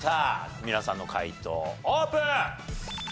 皆さんの解答オープン！